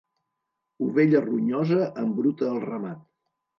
Ovella ronyosa embruta el ramat.